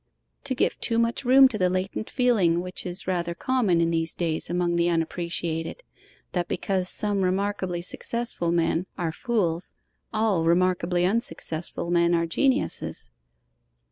'To give too much room to the latent feeling which is rather common in these days among the unappreciated, that because some remarkably successful men are fools, all remarkably unsuccessful men are geniuses.